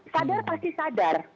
sadar pasti sadar